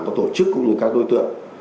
có tổ chức cũng như các đối tượng